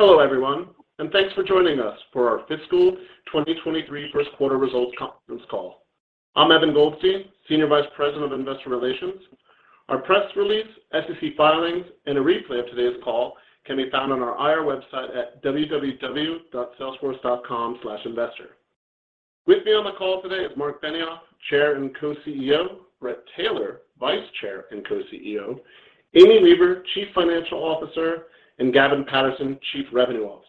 Hello everyone, thanks for joining us for our fiscal 2023 first quarter results conference call. I'm Evan Goldstein, Senior Vice President of Investor Relations. Our press release, SEC filings, and a replay of today's call can be found on our IR website at www.salesforce.com/investor. With me on the call today is Marc Benioff, Chair and Co-CEO, Bret Taylor, Vice Chair and Co-CEO, Amy Weaver, Chief Financial Officer, and Gavin Patterson, Chief Revenue Officer.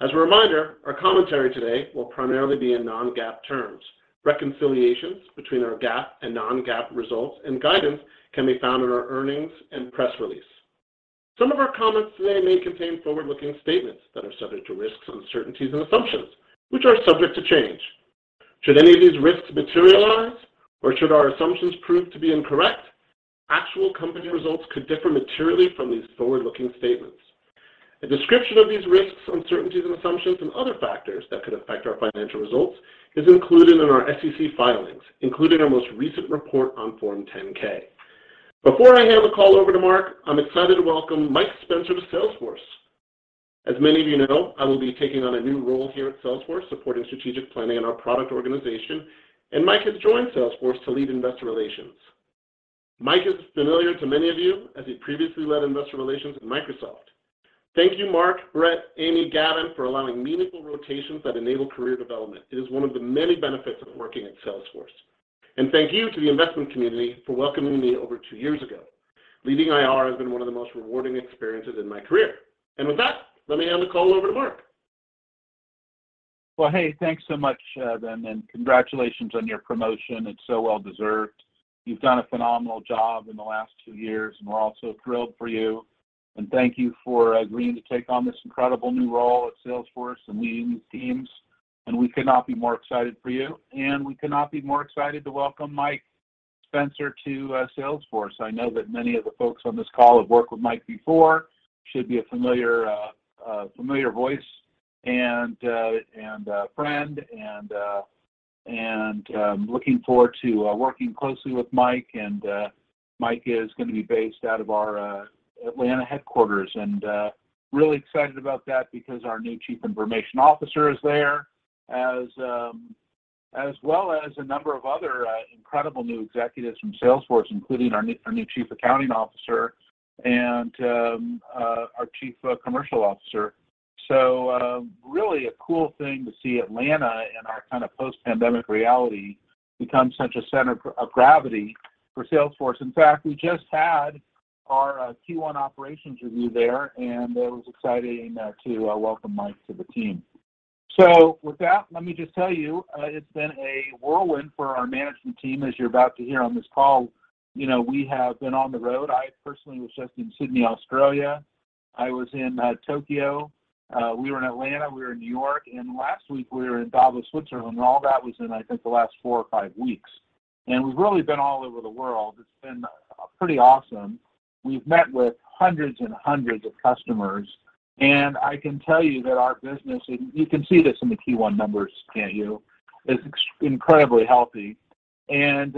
As a reminder, our commentary today will primarily be in non-GAAP terms. Reconciliations between our GAAP and non-GAAP results and guidance can be found in our earnings and press release. Some of our comments today may contain forward-looking statements that are subject to risks, uncertainties, and assumptions, which are subject to change. Should any of these risks materialize, or should our assumptions prove to be incorrect, actual company results could differ materially from these forward-looking statements. A description of these risks, uncertainties, and assumptions, and other factors that could affect our financial results is included in our SEC filings, including our most recent report on Form 10-K. Before I hand the call over to Marc, I'm excited to welcome Mike Spencer to Salesforce. As many of you know, I will be taking on a new role here at Salesforce, supporting strategic planning in our product organization, and Mike has joined Salesforce to lead investor relations. Mike is familiar to many of you as he previously led investor relations at Microsoft. Thank you, Marc, Brett, Amy, Gavin, for allowing meaningful rotations that enable career development. It is one of the many benefits of working at Salesforce. Thank you to the investment community for welcoming me over two years ago. Leading IR has been one of the most rewarding experiences in my career. With that, let me hand the call over to Marc. Well, hey, thanks so much, Evan, and congratulations on your promotion. It's so well-deserved. You've done a phenomenal job in the last two years, and we're all so thrilled for you. Thank you for agreeing to take on this incredible new role at Salesforce and leading these teams, and we could not be more excited for you. We could not be more excited to welcome Mike Spencer to Salesforce. I know that many of the folks on this call have worked with Mike before. Should be a familiar voice and friend, and looking forward to working closely with Mike. Mike is gonna be based out of our Atlanta headquarters. Really excited about that because our new Chief Information Officer is there, as well as a number of other incredible new executives from Salesforce, including our new Chief Accounting Officer and our Chief Commercial Officer. Really a cool thing to see Atlanta in our kinda post-pandemic reality become such a center of gravity for Salesforce. In fact, we just had our Q1 operations review there, and it was exciting to welcome Mike to the team. With that, let me just tell you, it's been a whirlwind for our management team, as you're about to hear on this call. You know, we have been on the road. I personally was just in Sydney, Australia. I was in Tokyo. We were in Atlanta, we were in New York, and last week we were in Davos, Switzerland. All that was in, I think, the last four or five weeks. We've really been all over the world. It's been pretty awesome. We've met with hundreds and hundreds of customers, and I can tell you that our business, and you can see this in the Q1 numbers, can't you? It is incredibly healthy. You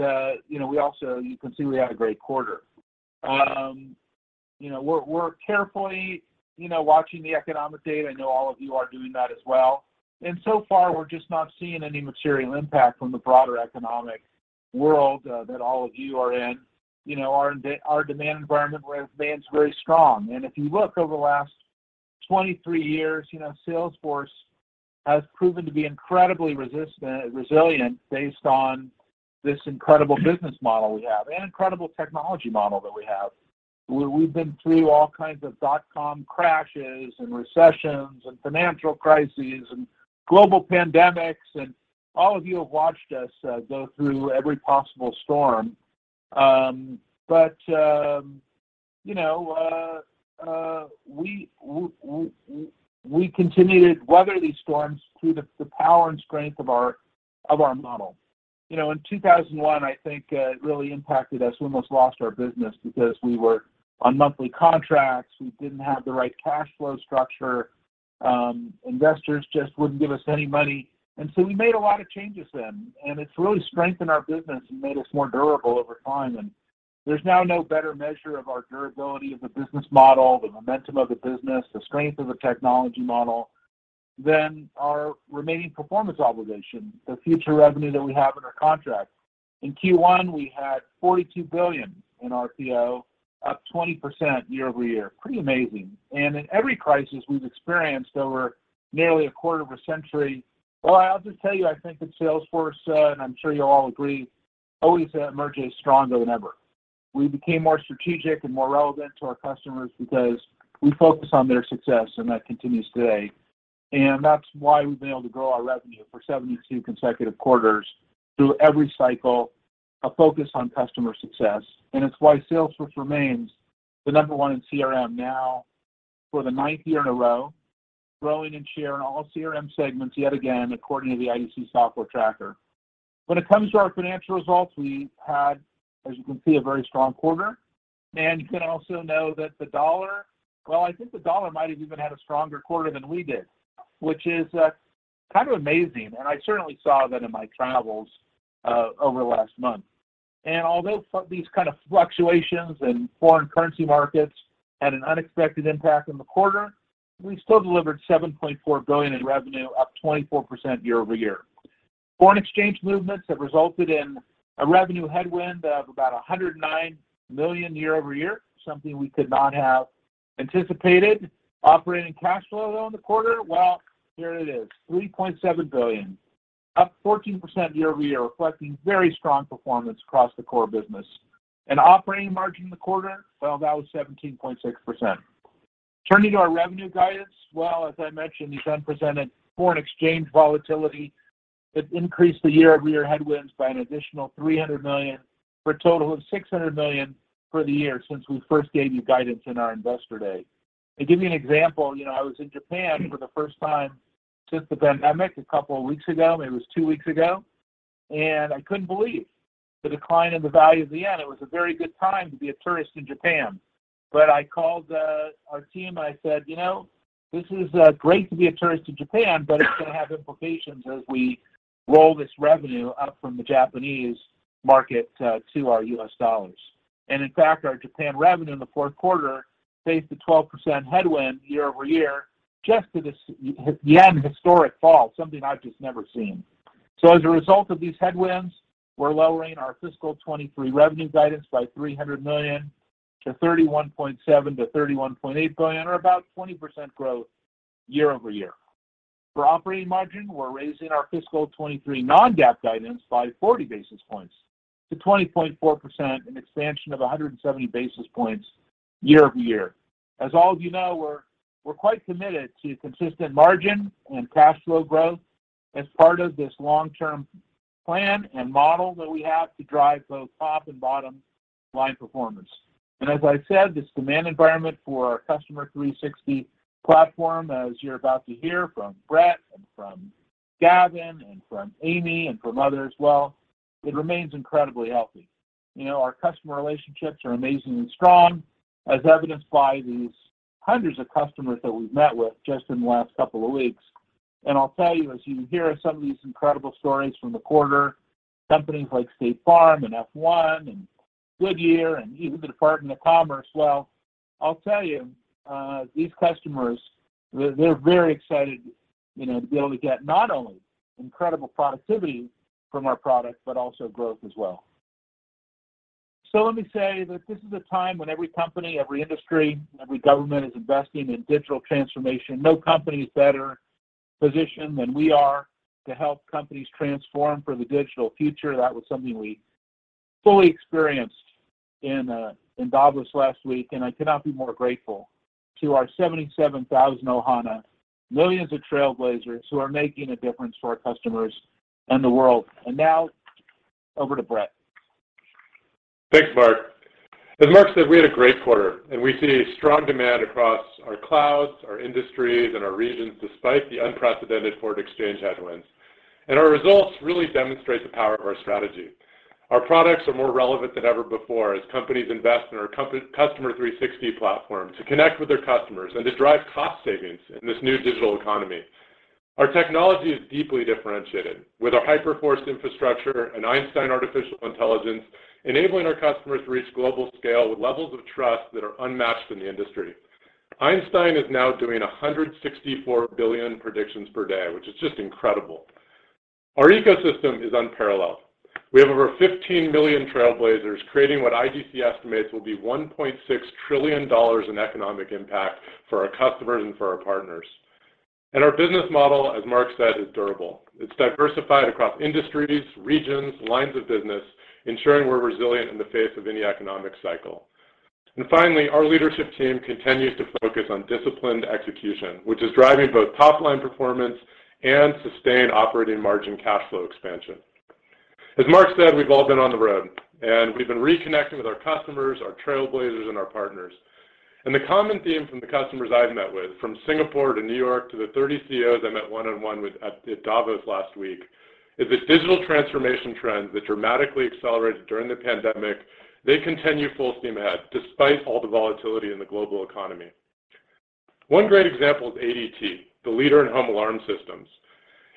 know, we also, you can see, had a great quarter. You know, we're carefully, you know, watching the economic data. I know all of you are doing that as well. So far, we're just not seeing any material impact from the broader economic world that all of you are in. You know, our demand environment remains very strong. If you look over the last 23 years, you know, Salesforce has proven to be incredibly resilient based on this incredible business model we have and incredible technology model that we have. We've been through all kinds of dot-com crashes and recessions and financial crises and global pandemics, and all of you have watched us go through every possible storm. You know we continued to weather these storms through the power and strength of our model. You know, in 2001, I think it really impacted us. We almost lost our business because we were on monthly contracts. We didn't have the right cash flow structure. Investors just wouldn't give us any money. We made a lot of changes then, and it's really strengthened our business and made us more durable over time. There's now no better measure of our durability as a business model, the momentum of the business, the strength of the technology model than our remaining performance obligation, the future revenue that we have in our contracts. In Q1, we had $42 billion in RPO, up 20% year-over-year. Pretty amazing. In every crisis we've experienced over nearly a quarter of a century. Well, I'll just tell you, I think that Salesforce, and I'm sure you'll all agree, always, emerges stronger than ever. We became more strategic and more relevant to our customers because we focus on their success, and that continues today. That's why we've been able to grow our revenue for 72 consecutive quarters through every cycle, a focus on customer success. It's why Salesforce remains the number one in CRM now for the ninth year in a row, growing in share in all CRM segments yet again, according to the IDC Software Tracker. When it comes to our financial results, we had, as you can see, a very strong quarter. You can also note that the dollar, I think the dollar might have even had a stronger quarter than we did, which is kind of amazing, and I certainly saw that in my travels over the last month. Although these kind of fluctuations in foreign currency markets had an unexpected impact on the quarter, we still delivered $7.4 billion in revenue, up 24% year-over-year. Foreign exchange movements have resulted in a revenue headwind of about $109 million year-over-year, something we could not have anticipated. Operating cash flow on the quarter, well, here it is, $3.7 billion, up 14% year-over-year, reflecting very strong performance across the core business. Operating margin in the quarter, well, that was 17.6%. Turning to our revenue guidance, well, as I mentioned, these unprecedented foreign exchange volatility that increased the year-over-year headwinds by an additional $300 million for a total of $600 million for the year since we first gave you guidance in our investor day. To give you an example, you know, I was in Japan for the first time since the pandemic a couple of weeks ago. It was two weeks ago, and I couldn't believe the decline in the value of the yen. It was a very good time to be a tourist in Japan. I called our team, and I said, "You know, this is great to be a tourist in Japan, but it's gonna have implications as we roll this revenue up from the Japanese market to our U.S. dollars." In fact, our Japan revenue in the fourth quarter faced a 12% headwind year-over-year just to this yen historic fall, something I've just never seen. As a result of these headwinds, we're lowering our fiscal 2023 revenue guidance by $300 million to $31.7-$31.8 billion or about 20% growth year-over-year. For operating margin, we're raising our fiscal 2023 non-GAAP guidance by 40 basis points to 20.4%, an expansion of 170 basis points year-over-year. As all of you know, we're quite committed to consistent margin and cash flow growth as part of this long-term plan and model that we have to drive both top and bottom line performance. As I said, this demand environment for our Customer 360 platform, as you're about to hear from Bret and from Gavin and from Amy and from others, well, it remains incredibly healthy. You know, our customer relationships are amazingly strong, as evidenced by these hundreds of customers that we've met with just in the last couple of weeks. I'll tell you, as you hear some of these incredible stories from the quarter, companies like State Farm and F1 and Goodyear and even the Department of Commerce. Well, I'll tell you, these customers, they're very excited, you know, to be able to get not only incredible productivity from our products, but also growth as well. Let me say that this is a time when every company, every industry, every government is investing in digital transformation. No company is better positioned than we are to help companies transform for the digital future. That was something we fully experienced in Davos last week. I could not be more grateful to our 77,000 Ohana, millions of Trailblazers who are making a difference to our customers and the world. Now over to Bret. Thanks, Marc. As Marc said, we had a great quarter, and we see strong demand across our clouds, our industries, and our regions, despite the unprecedented foreign exchange headwinds. Our results really demonstrate the power of our strategy. Our products are more relevant than ever before as companies invest in our Customer 360 platform to connect with their customers and to drive cost savings in this new digital economy. Our technology is deeply differentiated with our Hyperforce infrastructure and Einstein artificial intelligence, enabling our customers to reach global scale with levels of trust that are unmatched in the industry. Einstein is now doing 164 billion predictions per day, which is just incredible. Our ecosystem is unparalleled. We have over 15 million Trailblazers creating what IDC estimates will be $1.6 trillion in economic impact for our customers and for our partners. Our business model, as Marc said, is durable. It's diversified across industries, regions, lines of business, ensuring we're resilient in the face of any economic cycle. Finally, our leadership team continues to focus on disciplined execution, which is driving both top-line performance and sustained operating margin cash flow expansion. As Marc said, we've all been on the road, and we've been reconnecting with our customers, our trailblazers, and our partners. The common theme from the customers I've met with, from Singapore to New York to the 30 CEOs I met one-on-one with at Davos last week, is the digital transformation trends that dramatically accelerated during the pandemic. They continue full steam ahead despite all the volatility in the global economy. One great example is ADT, the leader in home alarm systems.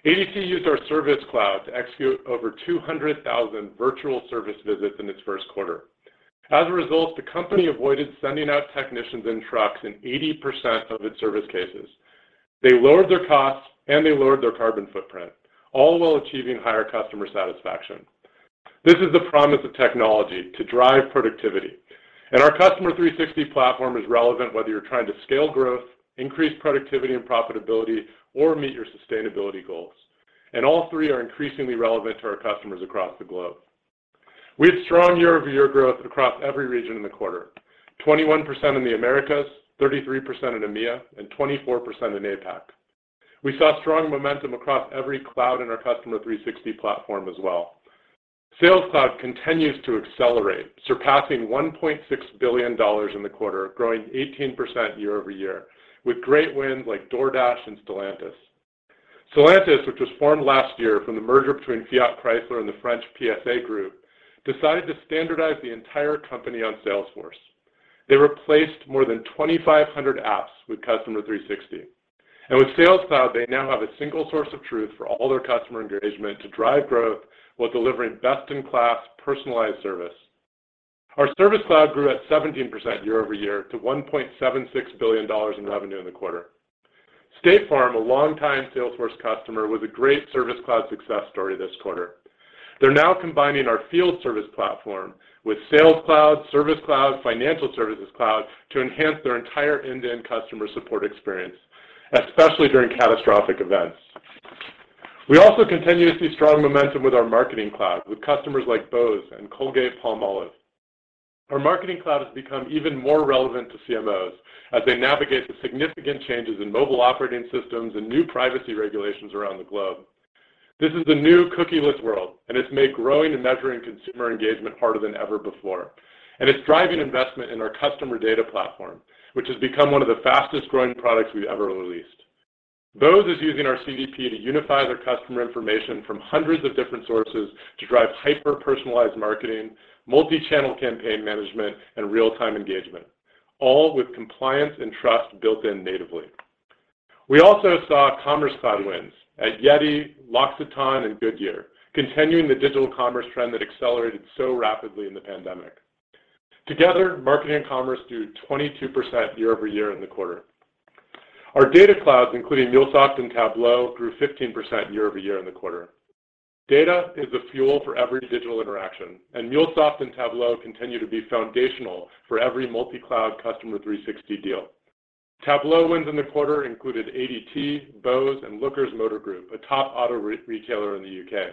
ADT used our Service Cloud to execute over 200,000 virtual service visits in its first quarter. As a result, the company avoided sending out technicians in trucks in 80% of its service cases. They lowered their costs, and they lowered their carbon footprint, all while achieving higher customer satisfaction. This is the promise of technology to drive productivity. Our Customer 360 platform is relevant whether you're trying to scale growth, increase productivity and profitability, or meet your sustainability goals. All three are increasingly relevant to our customers across the globe. We had strong year-over-year growth across every region in the quarter. 21% in the Americas, 33% in EMEA, and 24% in APAC. We saw strong momentum across every cloud in our Customer 360 platform as well. Sales Cloud continues to accelerate, surpassing $1.6 billion in the quarter, growing 18% year-over-year, with great wins like DoorDash and Stellantis. Stellantis, which was formed last year from the merger between Fiat Chrysler and Groupe PSA, decided to standardize the entire company on Salesforce. They replaced more than 2,500 apps with Customer 360. With Sales Cloud, they now have a single source of truth for all their customer engagement to drive growth while delivering best-in-class personalized service. Our Service Cloud grew at 17% year-over-year to $1.76 billion in revenue in the quarter. State Farm, a longtime Salesforce customer, was a great Service Cloud success story this quarter. They're now combining our field service platform with Sales Cloud, Service Cloud, Financial Services Cloud to enhance their entire end-to-end customer support experience, especially during catastrophic events. We also continue to see strong momentum with our Marketing Cloud with customers like Bose and Colgate-Palmolive. Our Marketing Cloud has become even more relevant to CMOs as they navigate the significant changes in mobile operating systems and new privacy regulations around the globe. This is the new cookieless world, and it's made growing and measuring consumer engagement harder than ever before. It's driving investment in our customer data platform, which has become one of the fastest-growing products we've ever released. Bose is using our CDP to unify their customer information from hundreds of different sources to drive hyper-personalized marketing, multi-channel campaign management, and real-time engagement, all with compliance and trust built in natively. We also saw Commerce Cloud wins at YETI, L'Occitane, and Goodyear, continuing the digital commerce trend that accelerated so rapidly in the pandemic. Together, marketing and commerce grew 22% year-over-year in the quarter. Our data clouds, including MuleSoft and Tableau, grew 15% year-over-year in the quarter. Data is the fuel for every digital interaction, and MuleSoft and Tableau continue to be foundational for every multi-cloud Customer 360 deal. Tableau wins in the quarter included ADT, Bose, and Lookers Motor Group, a top auto retailer in the U.K.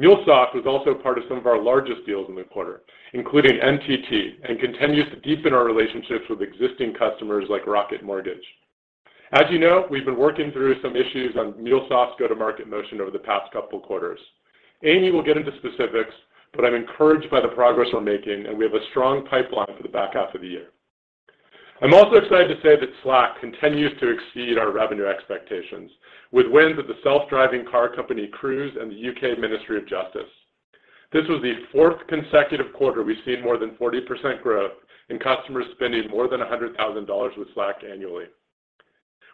MuleSoft was also part of some of our largest deals in the quarter, including NTT, and continues to deepen our relationships with existing customers like Rocket Mortgage. As you know, we've been working through some issues on MuleSoft's go-to-market motion over the past couple quarters. Amy will get into specifics, but I'm encouraged by the progress we're making, and we have a strong pipeline for the back half of the year. I'm also excited to say that Slack continues to exceed our revenue expectations with wins at the self-driving car company, Cruise, and the UK Ministry of Justice. This was the fourth consecutive quarter we've seen more than 40% growth in customers spending more than $100,000 with Slack annually.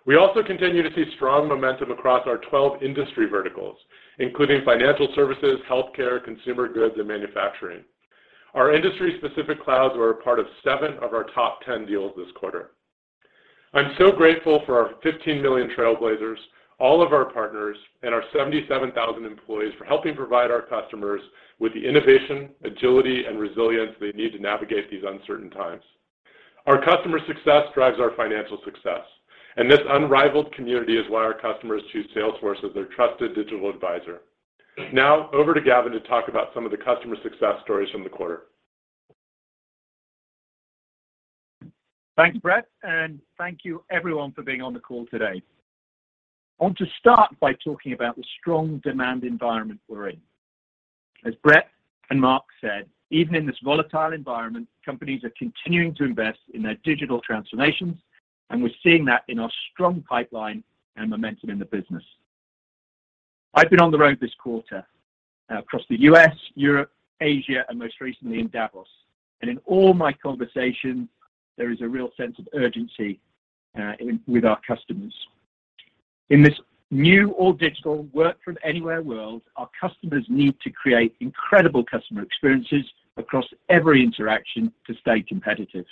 We also continue to see strong momentum across our 12 industry verticals, including financial services, healthcare, consumer goods, and manufacturing. Our industry-specific clouds were a part of seven of our top 10 deals this quarter. I'm so grateful for our 15 million trailblazers, all of our partners, and our 77,000 employees for helping provide our customers with the innovation, agility, and resilience they need to navigate these uncertain times. Our customer success drives our financial success, and this unrivaled community is why our customers choose Salesforce as their trusted digital advisor. Now, over to Gavin to talk about some of the customer success stories from the quarter. Thanks, Bret, and thank you everyone for being on the call today. I want to start by talking about the strong demand environment we're in. As Bret and Marc said, even in this volatile environment, companies are continuing to invest in their digital transformations, and we're seeing that in our strong pipeline and momentum in the business. I've been on the road this quarter across the U.S., Europe, Asia, and most recently in Davos. In all my conversations, there is a real sense of urgency with our customers. In this new all-digital work from anywhere world, our customers need to create incredible customer experiences across every interaction to stay competitive.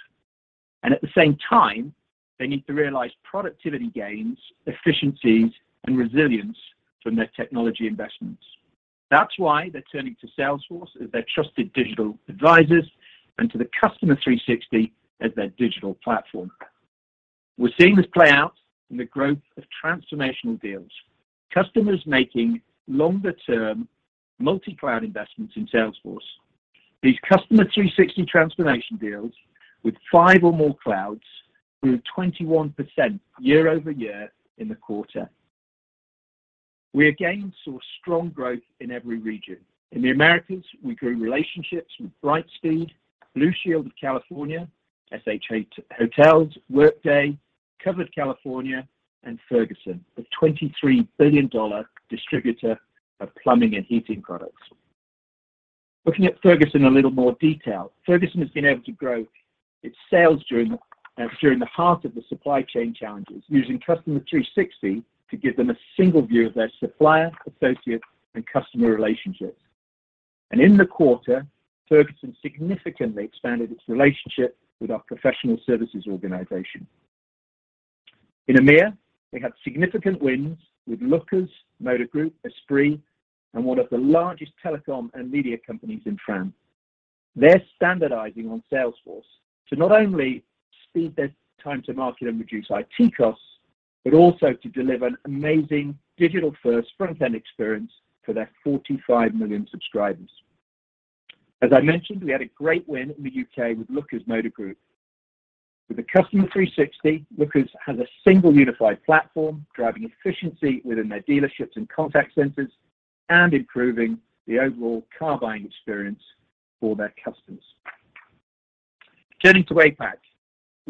At the same time, they need to realize productivity gains, efficiencies, and resilience from their technology investments. That's why they're turning to Salesforce as their trusted digital advisors and to the Customer 360 as their digital platform. We're seeing this play out in the growth of transformational deals, customers making longer-term multi-cloud investments in Salesforce. These Customer 360 transformation deals with five or more clouds grew 21% year-over-year in the quarter. We again saw strong growth in every region. In the Americas, we grew relationships with Brightspeed, Blue Shield of California, SH Hotels, Workday, Covered California, and Ferguson, a $23 billion distributor of plumbing and heating products. Looking at Ferguson in a little more detail, Ferguson has been able to grow its sales during the heart of the supply chain challenges, using Customer 360 to give them a single view of their supplier, associate, and customer relationships. In the quarter, Ferguson significantly expanded its relationship with our professional services organization. In EMEA, they had significant wins with Lookers Motor Group, Esprit, and one of the largest telecom and media companies in France. They're standardizing on Salesforce to not only speed their time to market and reduce IT costs, but also to deliver an amazing digital-first front-end experience for their 45 million subscribers. As I mentioned, we had a great win in the U.K. with Lookers Motor Group. With the Customer 360, Lookers has a single unified platform driving efficiency within their dealerships and contact centers and improving the overall car buying experience for their customers. Turning to APAC,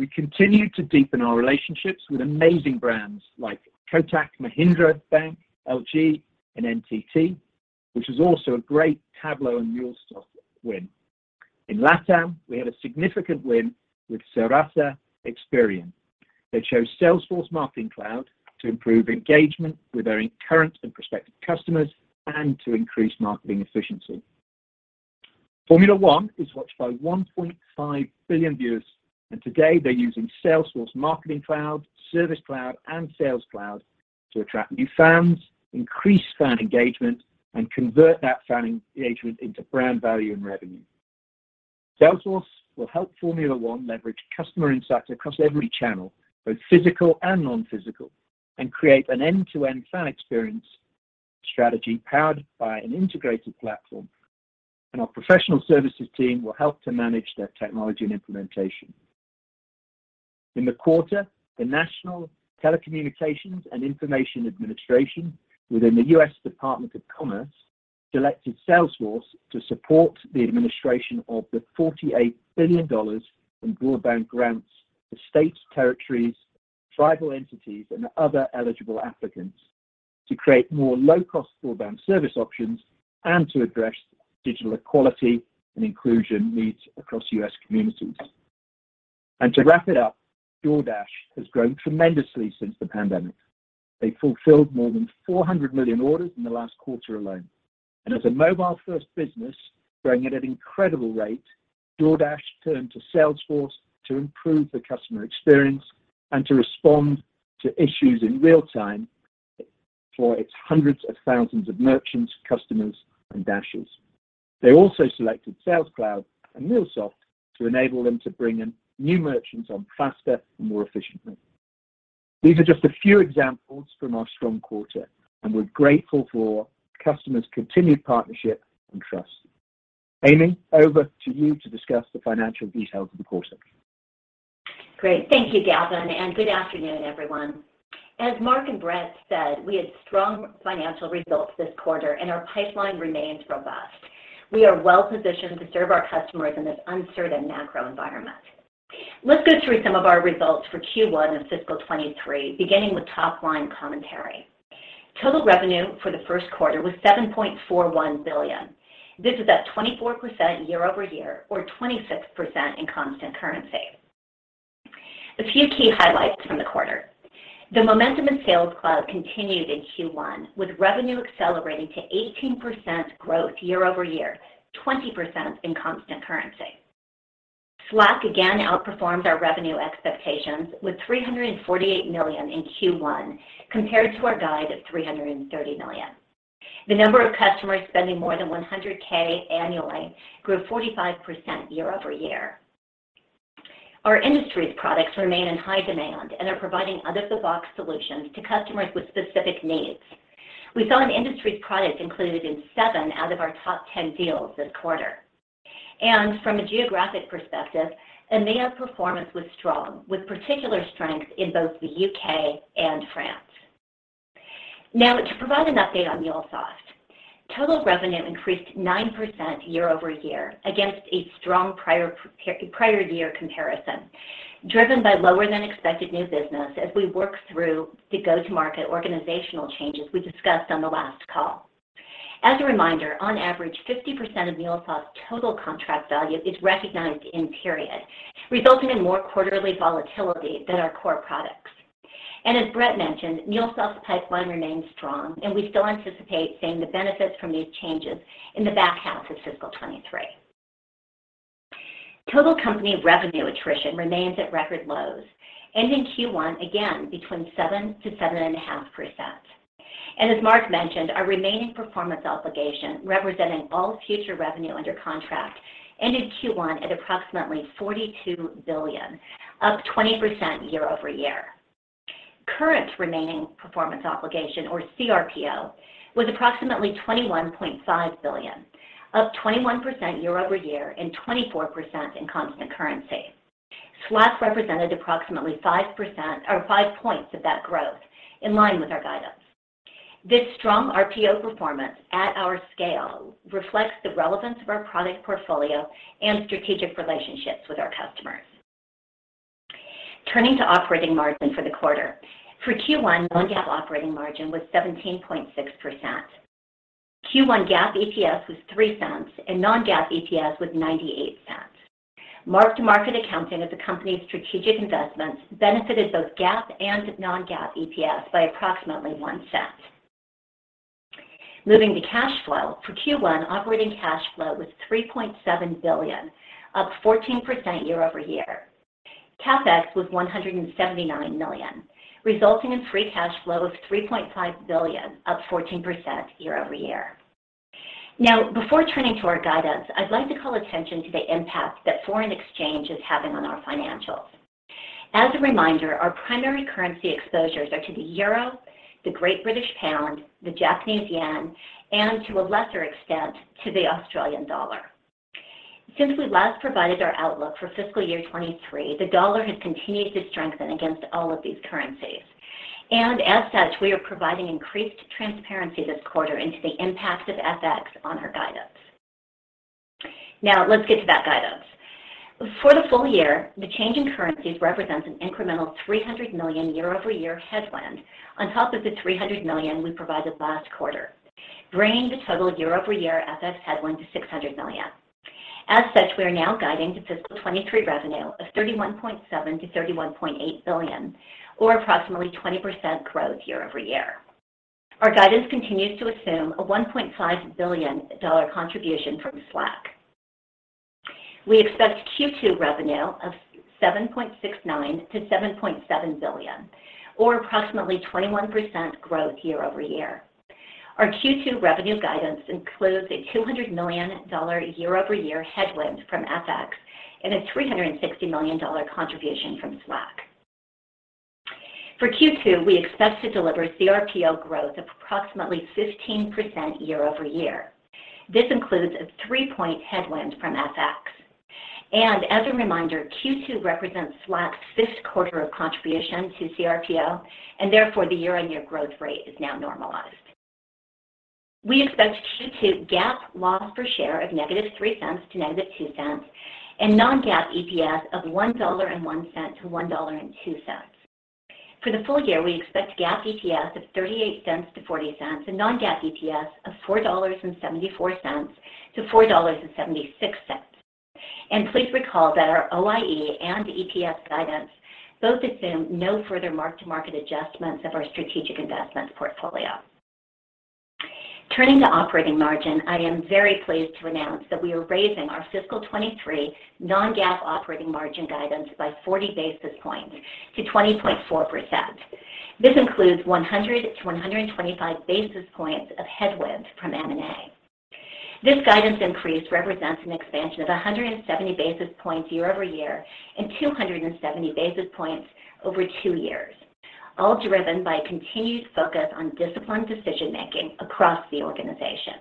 we continue to deepen our relationships with amazing brands like Kotak Mahindra Bank, LG, and NTT, which was also a great Tableau and MuleSoft win. In Latam, we had a significant win with Serasa Experian. They chose Salesforce Marketing Cloud to improve engagement with their current and prospective customers and to increase marketing efficiency. Formula 1 is watched by 1.5 billion viewers, and today they're using Salesforce Marketing Cloud, Service Cloud, and Sales Cloud to attract new fans, increase fan engagement, and convert that fan engagement into brand value and revenue. Salesforce will help Formula 1 leverage customer insights across every channel, both physical and non-physical, and create an end-to-end fan experience strategy powered by an integrated platform. Our professional services team will help to manage their technology and implementation. In the quarter, the National Telecommunications and Information Administration within the U.S. Department of Commerce selected Salesforce to support the administration of the $48 billion in broadband grants to states, territories, tribal entities, and other eligible applicants to create more low-cost broadband service options and to address digital equity and inclusion needs across U.S. communities. To wrap it up, DoorDash has grown tremendously since the pandemic. They fulfilled more than 400 million orders in the last quarter alone. As a mobile-first business growing at an incredible rate, DoorDash turned to Salesforce to improve the customer experience and to respond to issues in real time for its hundreds of thousands of merchants, customers, and dashers. They also selected Sales Cloud and MuleSoft to enable them to bring in new merchants onboard faster and more efficiently. These are just a few examples from our strong quarter, and we're grateful for customers' continued partnership and trust. Amy, over to you to discuss the financial details of the quarter. Great. Thank you, Gavin, and good afternoon, everyone. As Marc and Bret said, we had strong financial results this quarter, and our pipeline remains robust. We are well-positioned to serve our customers in this uncertain macro environment. Let's go through some of our results for Q1 of fiscal 2023, beginning with top-line commentary. Total revenue for the first quarter was $7.41 billion. This is up 24% year-over-year or 26% in constant currency. A few key highlights from the quarter. The momentum in Sales Cloud continued in Q1, with revenue accelerating to 18% growth year-over-year, 20% in constant currency. Slack again outperforms our revenue expectations with $348 million in Q1, compared to our guide of $330 million. The number of customers spending more than 100K annually grew 45% year-over-year. Our Industries products remain in high demand and are providing out-of-the-box solutions to customers with specific needs. We saw an Industries product included in seven out of our top 10 deals this quarter. From a geographic perspective, EMEA performance was strong, with particular strength in both the U.K. and France. Now to provide an update on MuleSoft. Total revenue increased 9% year over year against a strong prior year comparison, driven by lower than expected new business as we work through the go-to-market organizational changes we discussed on the last call. As a reminder, on average, 50% of MuleSoft's total contract value is recognized in period, resulting in more quarterly volatility than our core products. As Brett mentioned, MuleSoft's pipeline remains strong, and we still anticipate seeing the benefits from these changes in the back half of fiscal 2023. Total company revenue attrition remains at record lows, ending Q1 again between 7%-7.5%. As Marc mentioned, our remaining performance obligation representing all future revenue under contract ended Q1 at approximately $42 billion, up 20% year-over-year. Current remaining performance obligation, or CRPO, was approximately $21.5 billion, up 21% year-over-year and 24% in constant currency. Slack represented approximately 5% or 5 points of that growth in line with our guidance. This strong RPO performance at our scale reflects the relevance of our product portfolio and strategic relationships with our customers. Turning to operating margin for the quarter. For Q1, non-GAAP operating margin was 17.6%. Q1 GAAP EPS was $0.03 and non-GAAP EPS was $0.98. Mark-to-market accounting of the company's strategic investments benefited both GAAP and non-GAAP EPS by approximately $0.01. Moving to cash flow. For Q1, operating cash flow was $3.7 billion, up 14% year-over-year. CapEx was $179 million, resulting in free cash flow of $3.5 billion, up 14% year-over-year. Now before turning to our guidance, I'd like to call attention to the impact that foreign exchange is having on our financials. As a reminder, our primary currency exposures are to the euro, the great British pound, the Japanese yen, and to a lesser extent, to the Australian dollar. Since we last provided our outlook for fiscal year 2023, the dollar has continued to strengthen against all of these currencies. As such, we are providing increased transparency this quarter into the impact of FX on our guidance. Now let's get to that guidance. For the full year, the change in currencies represents an incremental $300 million year-over-year headwind on top of the $300 million we provided last quarter, bringing the total year-over-year FX headwind to $600 million. As such, we are now guiding to fiscal 2023 revenue of $31.7 billion-$31.8 billion or approximately 20% growth year-over-year. Our guidance continues to assume a $1.5 billion dollar contribution from Slack. We expect Q2 revenue of $7.69 billion-$7.7 billion or approximately 21% growth year-over-year. Our Q2 revenue guidance includes a $200 million dollar year-over-year headwind from FX and a $360 million dollar contribution from Slack. For Q2, we expect to deliver CRPO growth of approximately 15% year-over-year. This includes a 3-point headwind from FX. As a reminder, Q2 represents Slack's fifth quarter of contribution to CRPO, and therefore the year-on-year growth rate is now normalized. We expect Q2 GAAP loss per share of -$0.03 to -$0.02 and non-GAAP EPS of $1.01 to $1.02. For the full year, we expect GAAP EPS of $0.38 to $0.40 and non-GAAP EPS of $4.74 to $4.76. Please recall that our OIE and EPS guidance both assume no further mark-to-market adjustments of our strategic investment portfolio. Turning to operating margin, I am very pleased to announce that we are raising our fiscal 2023 non-GAAP operating margin guidance by 40 basis points to 20.4%. This includes 100 to 125 basis points of headwind from M&A. This guidance increase represents an expansion of 170 basis points year-over-year and 270 basis points over two years, all driven by continued focus on disciplined decision-making across the organization.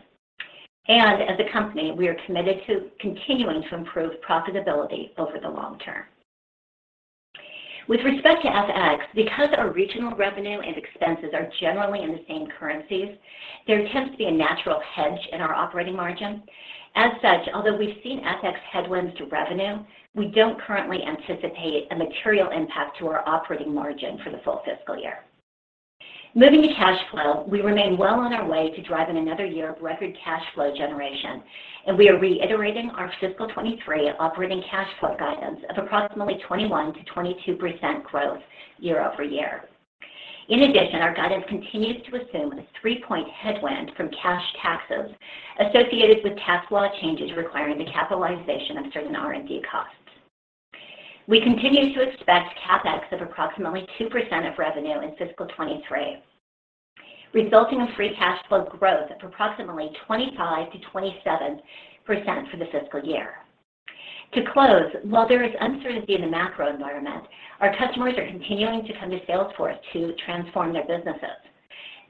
As a company, we are committed to continuing to improve profitability over the long term. With respect to FX, because our regional revenue and expenses are generally in the same currencies, there tends to be a natural hedge in our operating margin. As such, although we've seen FX headwinds to revenue, we don't currently anticipate a material impact to our operating margin for the full fiscal year. Moving to cash flow, we remain well on our way to driving another year of record cash flow generation, and we are reiterating our fiscal 2023 operating cash flow guidance of approximately 21%-22% growth year-over-year. In addition, our guidance continues to assume a 3-point headwind from cash taxes associated with tax law changes requiring the capitalization of certain R&D costs. We continue to expect CapEx of approximately 2% of revenue in fiscal 2023, resulting in free cash flow growth of approximately 25%-27% for the fiscal year. To close, while there is uncertainty in the macro environment, our customers are continuing to come to Salesforce to transform their businesses.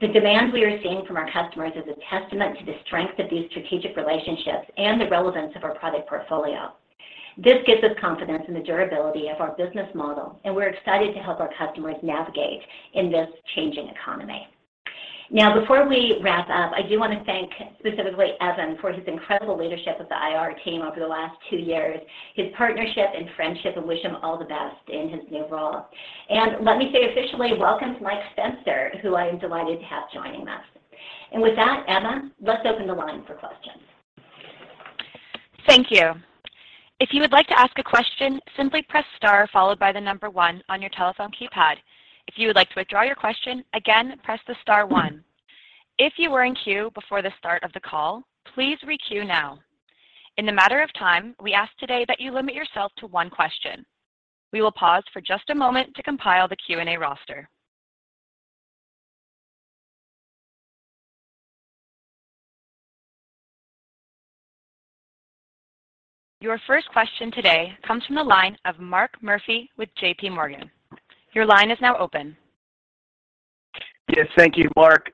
The demand we are seeing from our customers is a testament to the strength of these strategic relationships and the relevance of our product portfolio. This gives us confidence in the durability of our business model, and we're excited to help our customers navigate in this changing economy. Now, before we wrap up, I do want to thank specifically Evan Goldstein for his incredible leadership of the IR team over the last two years, his partnership and friendship, and wish him all the best in his new role. Let me say officially welcome to Mike Spencer, who I am delighted to have joining us. With that, Emma, let's open the line for questions. Thank you. If you would like to ask a question, simply press star followed by the number one on your telephone keypad. If you would like to withdraw your question, again, press the star one. If you were in queue before the start of the call, please re-queue now. In the interest of time, we ask today that you limit yourself to one question. We will pause for just a moment to compile the Q&A roster. Your first question today comes from the line of Marc Murphy with JP Morgan. Your line is now open. Yes. Thank you. Mark,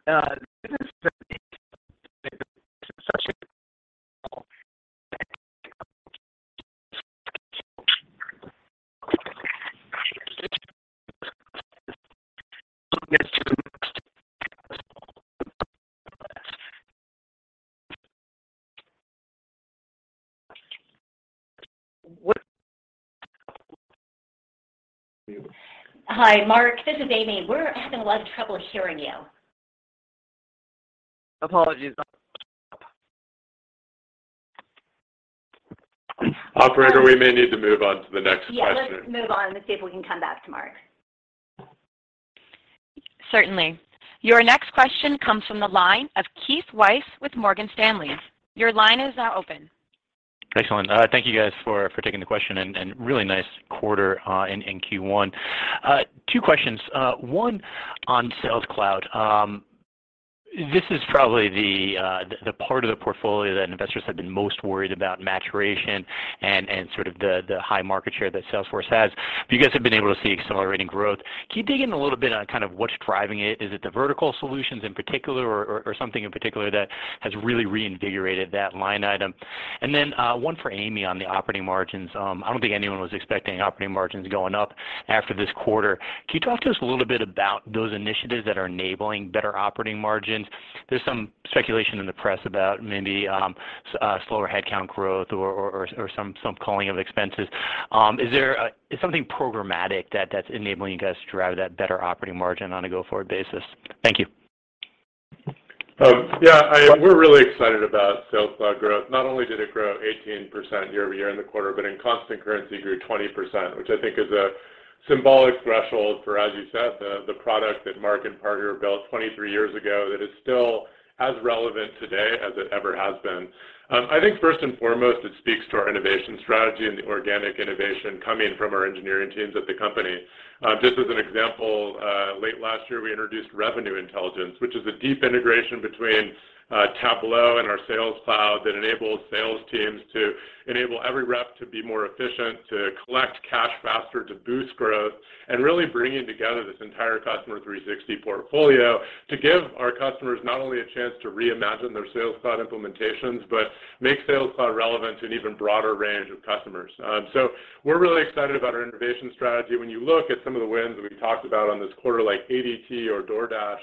Hi, Mark. This is Amy. We're having a lot of trouble hearing you. Apologies. Operator, we may need to move on to the next question. Yeah. Let's move on and see if we can come back to Mark. Certainly. Your next question comes from the line of Keith Weiss with Morgan Stanley. Your line is now open. Excellent. Thank you guys for taking the question, and really nice quarter in Q1. Two questions. One on Sales Cloud. This is probably the part of the portfolio that investors have been most worried about maturation and sort of the high market share that Salesforce has. You guys have been able to see accelerating growth. Can you dig in a little bit on kind of what's driving it? Is it the vertical solutions in particular or something in particular that has really reinvigorated that line item? And then one for Amy on the operating margins. I don't think anyone was expecting operating margins going up after this quarter. Can you talk to us a little bit about those initiatives that are enabling better operating margins? There's some speculation in the press about maybe slower headcount growth or some culling of expenses. Is there something programmatic that's enabling you guys to drive that better operating margin on a go-forward basis? Thank you. We're really excited about Sales Cloud growth. Not only did it grow 18% year-over-year in the quarter, but in constant currency grew 20%, which I think is a symbolic threshold for, as you said, the product that Marc and Parker built 23 years ago that is still as relevant today as it ever has been. I think first and foremost, it speaks to our innovation strategy and the organic innovation coming from our engineering teams at the company. Just as an example, late last year, we introduced Revenue Intelligence, which is a deep integration between Tableau and our Sales Cloud that enables sales teams to enable every rep to be more efficient, to collect cash faster, to boost growth, and really bringing together this entire Customer 360 portfolio to give our customers not only a chance to reimagine their Sales Cloud implementations, but make Sales Cloud relevant to an even broader range of customers. We're really excited about our innovation strategy. When you look at some of the wins that we've talked about in this quarter, like ADT or DoorDash,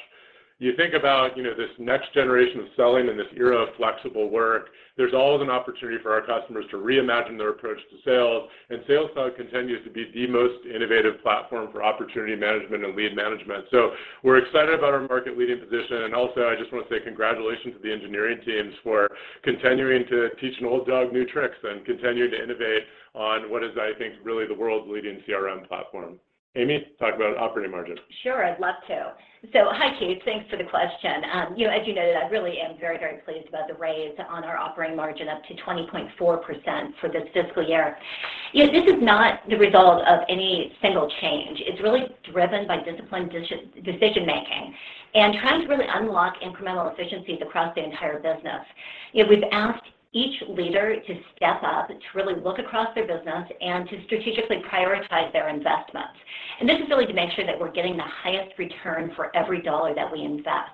you think about, you know, this next generation of selling and this era of flexible work, there's always an opportunity for our customers to reimagine their approach to sales, and Sales Cloud continues to be the most innovative platform for opportunity management and lead management. We're excited about our market-leading position, and also, I just wanna say congratulations to the engineering teams for continuing to teach an old dog new tricks and continuing to innovate on what is, I think, really the world's leading CRM platform. Amy, talk about operating margin. Sure, I'd love to. Hi, Keith. Thanks for the question. You know, as you noted, I really am very pleased about the raise on our operating margin up to 20.4% for this fiscal year. You know, this is not the result of any single change. It's really driven by disciplined decision making and trying to really unlock incremental efficiencies across the entire business. You know, we've asked each leader to step up, to really look across their business and to strategically prioritize their investments. This is really to make sure that we're getting the highest return for every dollar that we invest.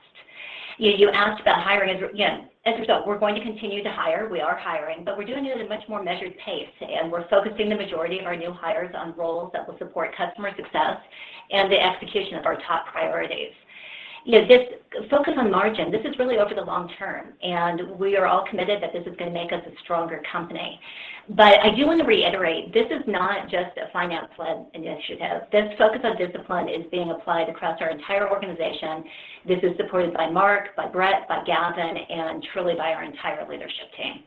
You asked about hiring as we again, as a result, we're going to continue to hire. We are hiring, but we're doing it at a much more measured pace, and we're focusing the majority of our new hires on roles that will support customer success and the execution of our top priorities. You know, this focus on margin, this is really over the long term, and we are all committed that this is gonna make us a stronger company. I do wanna reiterate, this is not just a finance-led initiative. This focus on discipline is being applied across our entire organization. This is supported by Marc, by Bret, by Gavin, and truly by our entire leadership team.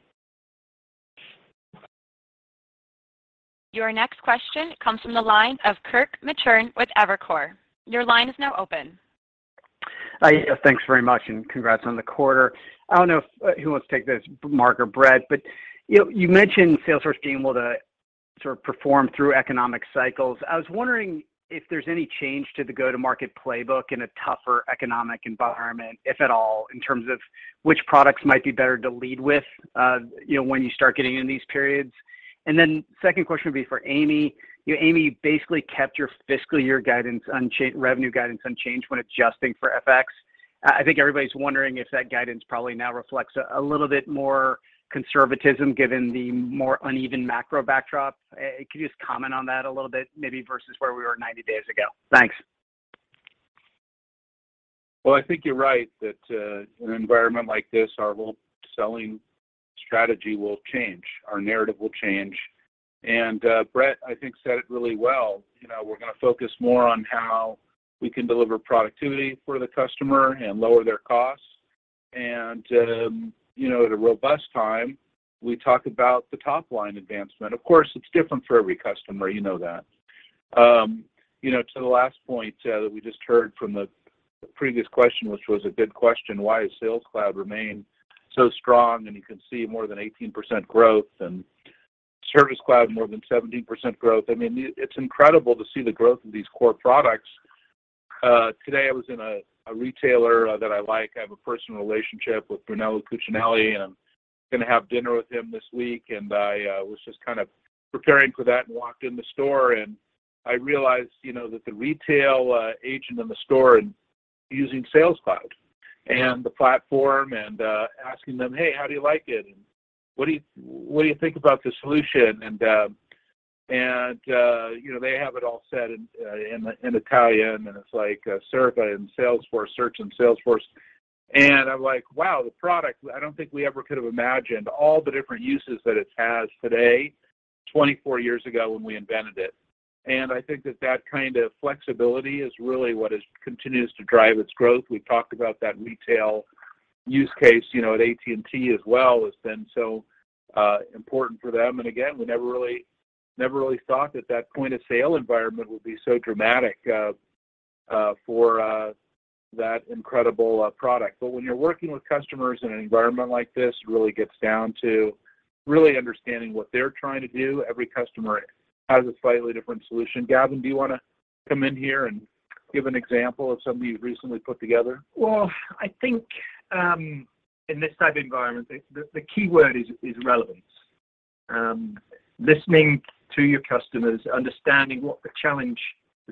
Your next question comes from the line of Kirk Materne with Evercore. Your line is now open. Hi. Thanks very much, and congrats on the quarter. I don't know if who wants to take this, Marc or Bret, but, you know, you mentioned Salesforce being able to sort of perform through economic cycles. I was wondering if there's any change to the go-to-market playbook in a tougher economic environment, if at all, in terms of which products might be better to lead with, you know, when you start getting in these periods. Then second question would be for Amy. You know, Amy, you basically kept your fiscal year guidance revenue guidance unchanged when adjusting for FX. I think everybody's wondering if that guidance probably now reflects a little bit more conservatism given the more uneven macro backdrop. Could you just comment on that a little bit, maybe versus where we were 90 days ago? Thanks. Well, I think you're right that in an environment like this, our whole selling strategy will change, our narrative will change. Bret said it really well. You know, we're gonna focus more on how we can deliver productivity for the customer and lower their costs. You know, at a robust time, we talk about the top-line advancement. Of course, it's different for every customer. You know that. You know, to the last point that we just heard from the previous question, which was a good question, why has Sales Cloud remained so strong? You can see more than 18% growth, and Service Cloud more than 17% growth. I mean, it's incredible to see the growth of these core products. Today I was in a retailer that I like. I have a personal relationship with Brunello Cucinelli, and I'm gonna have dinner with him this week. I was just kind of preparing for that and walked in the store, and I realized, you know, that the retail agent in the store is using Sales Cloud and the platform and asking them, "Hey, how do you like it? What do you think about the solution?" You know, they have it all said in Italian, and it's like, Cerca in Salesforce, search in Salesforce. I'm like, wow, the product, I don't think we ever could have imagined all the different uses that it has today, 24 years ago when we invented it. I think that kind of flexibility is really what continues to drive its growth. We talked about that retail use case, you know, at AT&T as well. It's been so important for them. Again, we never really thought that point-of-sale environment would be so dramatic for that incredible product. But when you're working with customers in an environment like this, it really gets down to really understanding what they're trying to do. Every customer has a slightly different solution. Gavin, do you wanna come in here and give an example of something you've recently put together? Well, I think in this type of environment, the key word is relevance. Listening to your customers, understanding what the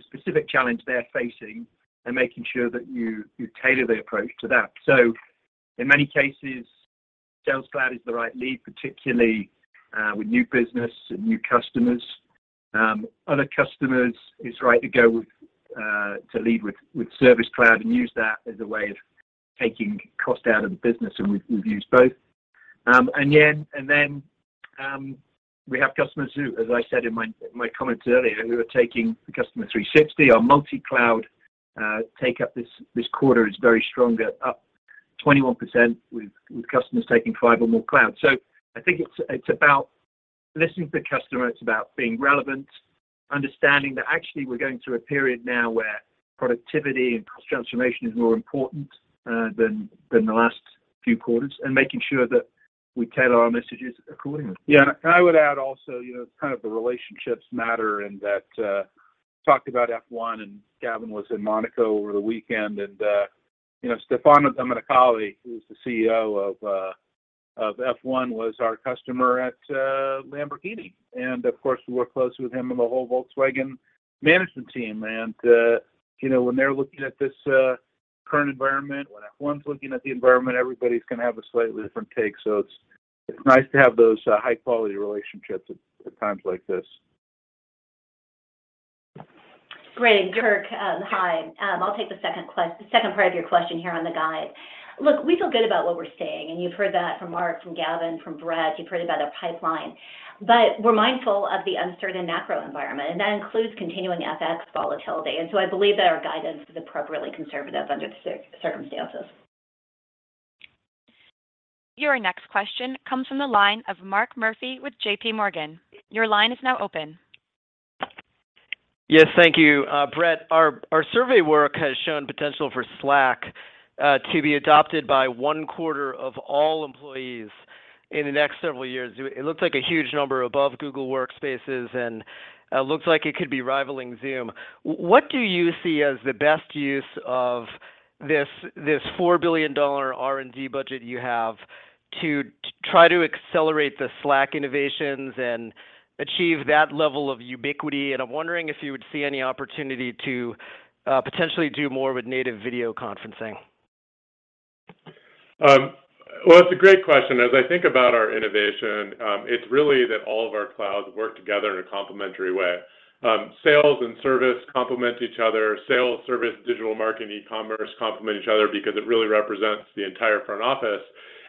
specific challenge they're facing, and making sure that you tailor the approach to that. In many cases, Sales Cloud is the right lead, particularly with new business and new customers. Other customers, it's right to lead with Service Cloud and use that as a way of taking cost out of the business, and we've used both. We have customers who, as I said in my comments earlier, who are taking Customer 360. Our multi-cloud uptake this quarter is very strong. They're up 21% with customers taking five or more clouds. I think it's about listening to the customer. It's about being relevant, understanding that actually we're going through a period now where productivity and transformation is more important than the last few quarters, and making sure that we tailor our messages accordingly. Yeah. I would add also, you know, it's kind of the relationships matter in that, talked about F1, and Gavin was in Monaco over the weekend, and, you know, Stefano Domenicali, who's the CEO of F1, was our customer at Lamborghini. Of course, we work closely with him and the whole Volkswagen management team. You know, when they're looking at this current environment, when F1's looking at the environment, everybody's gonna have a slightly different take. It's nice to have those high-quality relationships at times like this. Great. Kirk, hi. I'll take the second part of your question here on the guide. Look, we feel good about what we're seeing, and you've heard that from Mark, from Gavin, from Brett. You've heard about our pipeline. We're mindful of the uncertain macro environment, and that includes continuing FX volatility. I believe that our guidance is appropriately conservative under the circumstances. Your next question comes from the line of Mark Murphy with J.P. Morgan. Your line is now open. Yes. Thank you. Bret, our survey work has shown potential for Slack to be adopted by one-quarter of all employees in the next several years. It looks like a huge number above Google Workspace, and looks like it could be rivaling Zoom. What do you see as the best use of this $4 billion R&D budget you have to try to accelerate the Slack innovations and achieve that level of ubiquity? I'm wondering if you would see any opportunity to potentially do more with native video conferencing. Well, it's a great question. As I think about our innovation, it's really that all of our clouds work together in a complementary way. Sales and Service complement each other. Sales, Service, Marketing, Commerce complement each other because it really represents the entire front office.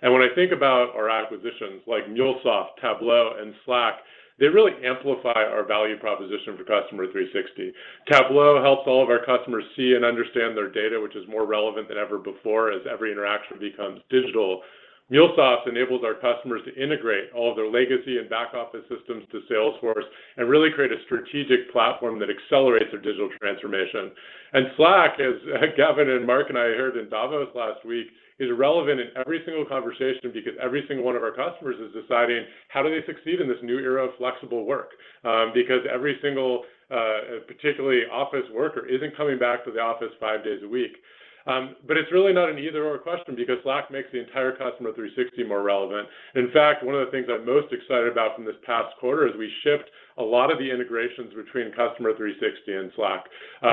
When I think about our acquisitions, like MuleSoft, Tableau, and Slack, they really amplify our value proposition for Customer 360. Tableau helps all of our customers see and understand their data, which is more relevant than ever before as every interaction becomes digital. MuleSoft enables our customers to integrate all of their legacy and back office systems to Salesforce and really create a strategic platform that accelerates their digital transformation. Slack, as Gavin and Marc and I heard in Davos last week, is relevant in every single conversation because every single one of our customers is deciding how do they succeed in this new era of flexible work, because every single, particularly office worker isn't coming back to the office five days a week. It's really not an either/or question because Slack makes the entire Customer 360 more relevant. In fact, one of the things I'm most excited about from this past quarter is we shipped a lot of the integrations between Customer 360 and Slack.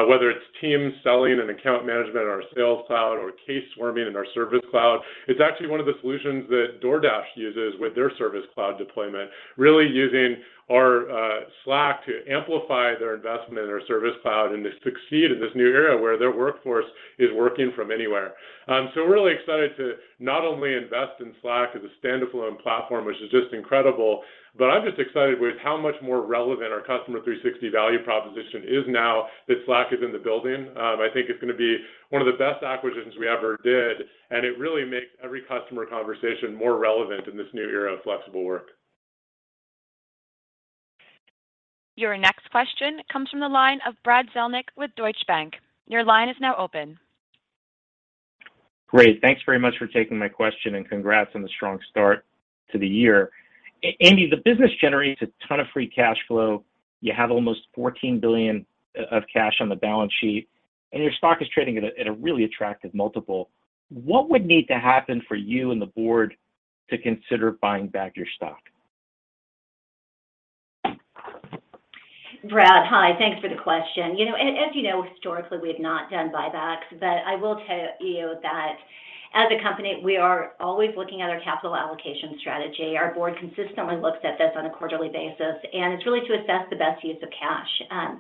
Whether it's teams selling an account management in our Sales Cloud or case swarming in our Service Cloud, it's actually one of the solutions that DoorDash uses with their Service Cloud deployment, really using our Slack to amplify their investment in our Service Cloud, and to succeed in this new era where their workforce is working from anywhere. We're really excited to not only invest in Slack as a standalone platform, which is just incredible, but I'm just excited with how much more relevant our Customer 360 value proposition is now that Slack is in the building. I think it's gonna be one of the best acquisitions we ever did, and it really makes every customer conversation more relevant in this new era of flexible work. Your next question comes from the line of Brad Zelnick with Deutsche Bank. Your line is now open. Brad, hi. Thanks for the question. You know, as you know, historically, we've not done buybacks, but I will tell you that as a company, we are always looking at our capital allocation strategy. Our board consistently looks at this on a quarterly basis, and it's really to assess the best use of cash.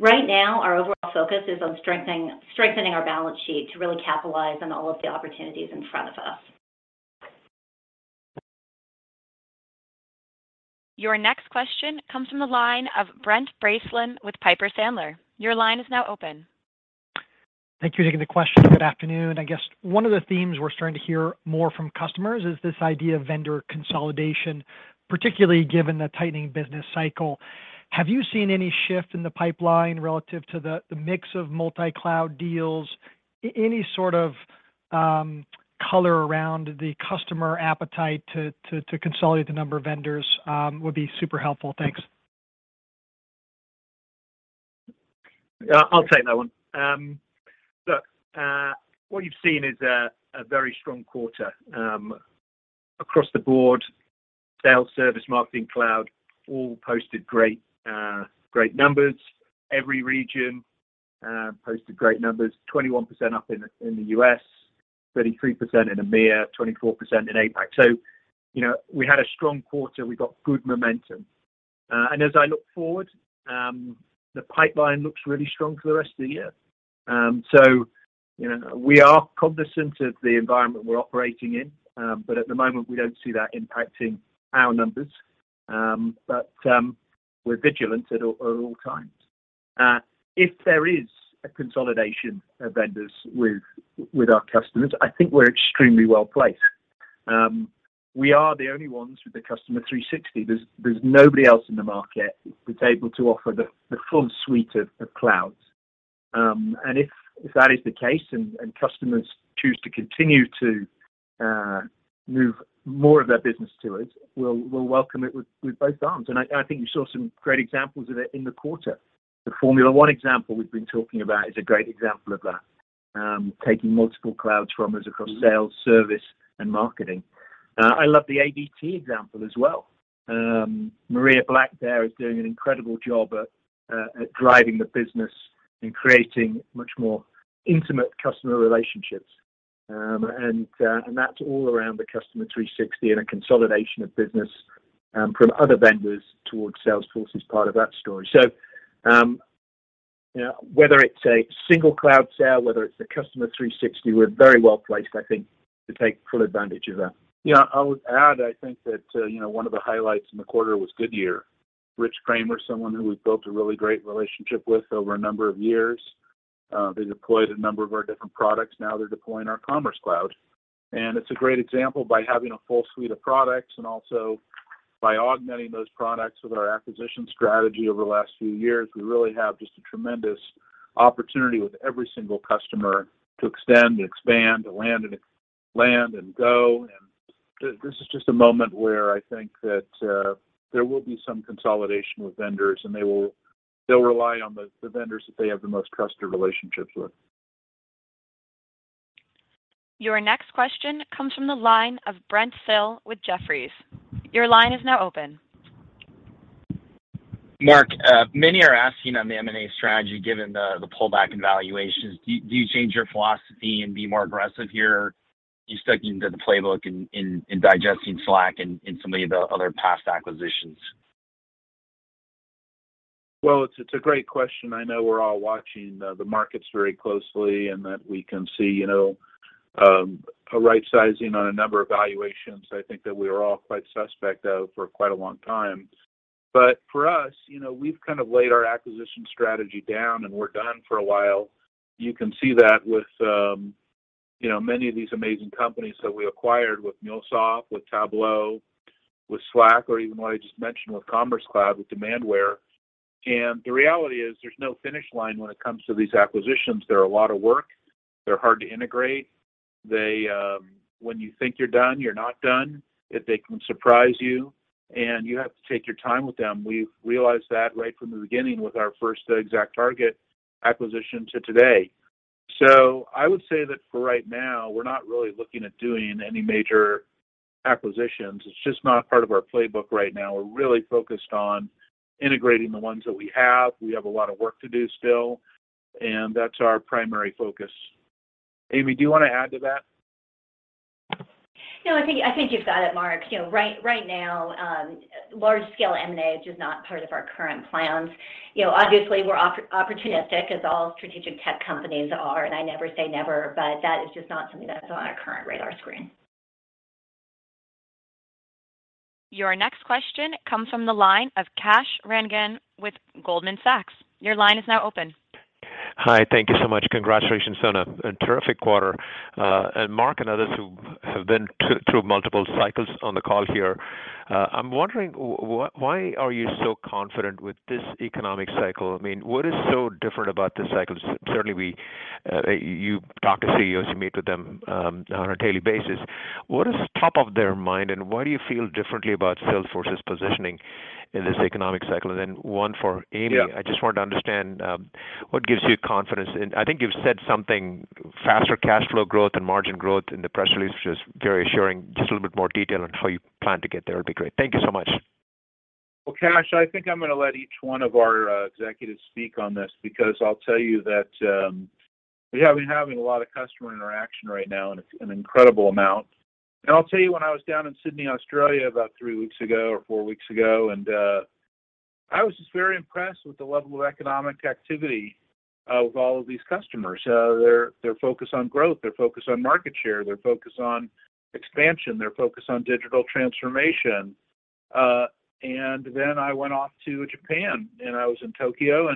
Right now, our overall focus is on strengthening our balance sheet to really capitalize on all of the opportunities in front of us. Your next question comes from the line of Brent Bracelin with Piper Sandler. Your line is now open. Thank you. Taking the question. Good afternoon. I guess one of the themes we're starting to hear more from customers is this idea of vendor consolidation, particularly given the tightening business cycle. Have you seen any shift in the pipeline relative to the mix of multi-cloud deals? Any sort of color around the customer appetite to consolidate the number of vendors would be super helpful. Thanks. Yeah, I'll take that one. Look, what you've seen is a very strong quarter. Across the board, sales, service, marketing, cloud all posted great numbers. Every region posted great numbers. 21% up in the US, 33% in EMEA, 24% in APAC. You know, we had a strong quarter. We got good momentum, and as I look forward, the pipeline looks really strong for the rest of the year. You know, we are cognizant of the environment we're operating in, but at the moment, we don't see that impacting our numbers. We're vigilant at all times. If there is a consolidation of vendors with our customers, I think we're extremely well-placed. We are the only ones with the Customer 360. There's nobody else in the market that's able to offer the full suite of clouds. If that is the case and customers choose to continue to move more of their business to us, we'll welcome it with both arms. I think you saw some great examples of it in the quarter. The Formula 1 example we've been talking about is a great example of that, taking multiple clouds from us across sales, service, and marketing. I love the ADT example as well. Maria Black there is doing an incredible job at driving the business and creating much more intimate customer relationships. That's all around the Customer 360, and a consolidation of business from other vendors towards Salesforce is part of that story. you know, whether it's a single cloud sale, whether it's the Customer 360, we're very well-placed, I think, to take full advantage of that. Yeah. I would add, I think that, you know, one of the highlights in the quarter was Goodyear. Rich Kramer is someone who we've built a really great relationship with over a number of years. They deployed a number of our different products. Now they're deploying our Commerce Cloud. It's a great example by having a full suite of products and also by augmenting those products with our acquisition strategy over the last few years, we really have just a tremendous opportunity with every single customer to extend, expand, to land and go. This is just a moment where I think that, there will be some consolidation with vendors, and they'll rely on the vendors that they have the most trusted relationships with. Your next question comes from the line of Brent Thill with Jefferies. Your line is now open. Mark, many are asking on the M&A strategy, given the pullback in valuations. Do you change your philosophy and be more aggressive here? Are you sticking to the playbook in digesting Slack and some of the other past acquisitions? Well, it's a great question. I know we're all watching the markets very closely, and that we can see, you know, a right sizing on a number of valuations. I think that we are all quite skeptical, though, for quite a long time. But for us, you know, we've kind of laid our acquisition strategy down, and we're done for a while. You can see that with, you know, many of these amazing companies that we acquired with MuleSoft, with Tableau, with Slack, or even what I just mentioned with Commerce Cloud, with Demandware. The reality is there's no finish line when it comes to these acquisitions. They're a lot of work. They're hard to integrate. They, when you think you're done, you're not done. They can surprise you, and you have to take your time with them. We've realized that right from the beginning with our first ExactTarget acquisition to today. I would say that for right now, we're not really looking at doing any major acquisitions. It's just not part of our playbook right now. We're really focused on integrating the ones that we have. We have a lot of work to do still, and that's our primary focus. Amy, do you wanna add to that? No, I think you've got it, Mark. You know, right now, large scale M&A is just not part of our current plans. You know, obviously, we're opportunistic as all strategic tech companies are, and I never say never, but that is just not something that's on our current radar screen. Your next question comes from the line of Kash Rangan with Goldman Sachs. Your line is now open. Hi. Thank you so much. Congratulations on a terrific quarter. Marc and others who have been through multiple cycles on the call here, I'm wondering why are you so confident with this economic cycle? I mean, what is so different about this cycle? Certainly, you talk to CEOs, you meet with them on a daily basis. What is top of their mind, and why do you feel differently about Salesforce's positioning in this economic cycle? Then one for Amy. Yeah. I just want to understand, what gives you confidence? I think you've said something, faster cash flow growth and margin growth in the press release, which is very assuring. Just a little bit more detail on how you plan to get there would be great. Thank you so much. Well, Kash, I think I'm gonna let each one of our executives speak on this because I'll tell you that we have been having a lot of customer interaction right now, and it's an incredible amount. I'll tell you when I was down in Sydney, Australia about three weeks ago or four weeks ago, and I was just very impressed with the level of economic activity with all of these customers. They're focused on growth. They're focused on market share. They're focused on expansion. They're focused on digital transformation. Then I went off to Japan, and I was in Tokyo,